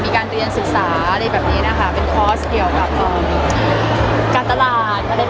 มีการเรียนศึกษาเป็นคอร์สเกี่ยวกับการตลาด